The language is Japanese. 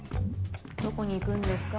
どこに行くんですか？